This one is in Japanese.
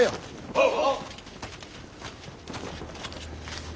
はっ！